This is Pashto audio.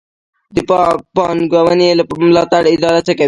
د پانګونې ملاتړ اداره څه کوي؟